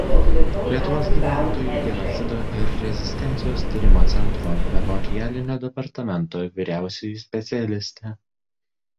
Lietuvos gyventojų genocido ir rezistencijos tyrimo centro Memorialinio departamento vyriausioji specialistė.